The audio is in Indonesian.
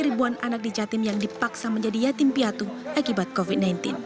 ribuan anak di jatim yang dipaksa menjadi yatim piatu akibat covid sembilan belas